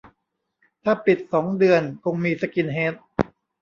ถ้าปิดสองเดือนคงมีสกินเฮด